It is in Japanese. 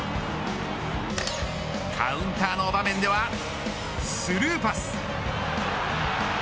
カウンターの場面ではスルーパス。